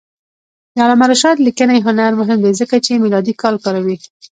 د علامه رشاد لیکنی هنر مهم دی ځکه چې میلادي کال کاروي.